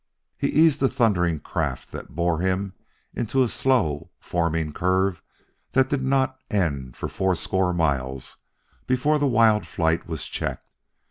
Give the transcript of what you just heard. He eased the thundering craft that bore him into a slow forming curve that did not end for fourscore miles before the wild flight was checked.